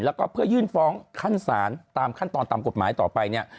แล้วก็เพื่อยื่นฟ้องขั้นศาลตามขั้นตอนตามกฎหมายต่อไปเนี่ย